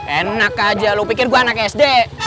enak aja lu pikir gua anak sd